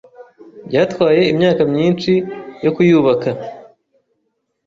Byatwaye imyaka myinshi yo kuyubaka.